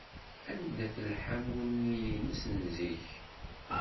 Anda-t lḥamu-nni-ines n zik?